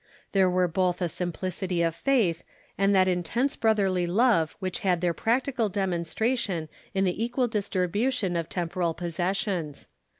There were both a simplicity of faith and that intense brotherly love Avhich had their practical demonstration in the equal distribution of temporal possessions.